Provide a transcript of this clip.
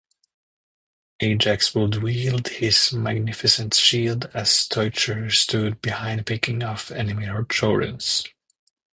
Ajax would wield his magnificent shield, as Teucer stood behind picking off enemy Trojans.